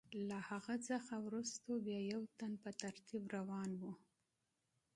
له هغه څخه وروسته بیا یو تن په ترتیب روان و.